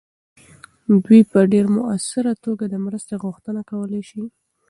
دوی په ډیر مؤثره توګه د مرستې غوښتنه کولی سي.